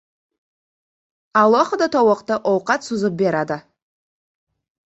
Alohida tovoqda ovqat suzib beradi.